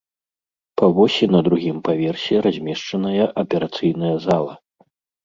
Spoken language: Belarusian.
Па восі на другім паверсе размешчаная аперацыйная зала.